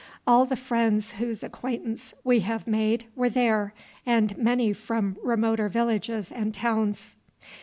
All the friends whose acquaintance we have made were there, and many from remoter villages and towns.